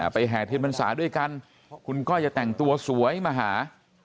แห่เทียนพรรษาด้วยกันคุณก้อยจะแต่งตัวสวยมาหา